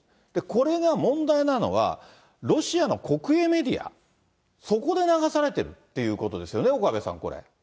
これが問題なのは、ロシアの国営メディア、そこで流されてるっていうことですよね、岡部さん、これ。